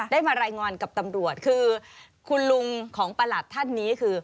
ได้มารายงานกับตำรวจคือคุณลุงของประหลัดท่านนี้คือ